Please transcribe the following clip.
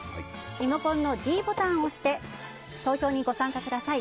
リモコンのｄボタンを押して投票にご参加ください。